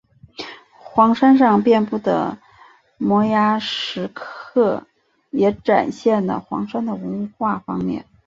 黄山上遍布的摩崖石刻也展现了黄山的文化方面。